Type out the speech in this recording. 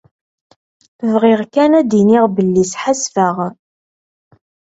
Bɣiɣ kan ad d-iniɣ belli sḥassfeɣ.